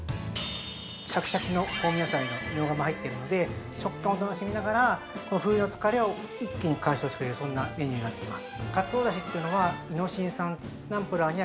◆シャキシャキの香味野菜のミョウガも入っているので食感を楽しみながら、冬の疲れを一気に解消してくれるそんなメニューになっています。